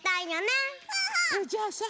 じゃあさ